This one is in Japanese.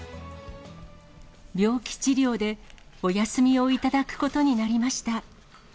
病気治療でお休みを頂くことになりました。